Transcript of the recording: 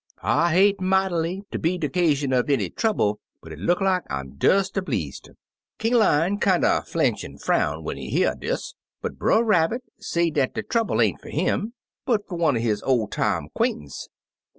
I hate might'ly ter be de 'casion er any trouble, but it look like I'm des a bleeze ter.' King Lion kinder flinch an' frown when he hear dis, but Brer Rabbit say dat dc trouble ain't for him, but fer one er his ol' time 'quaintance.